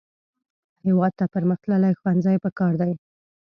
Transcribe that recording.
هېواد ته پرمختللي ښوونځي پکار دي